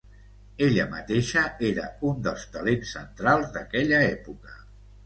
Ella mateixa era un dels talents centrals d'aquella època.